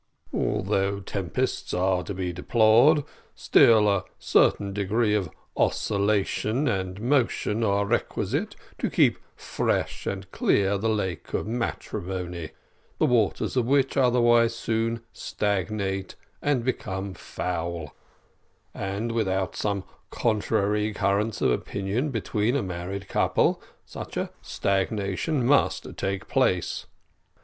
Although tempests are to be deplored, still a certain degree of oscillation and motion are requisite to keep fresh and clear the lake of matrimony, the waters of which otherwise soon stagnate and become foul, and without some contrary currents of opinion between a married couple such a stagnation must take place.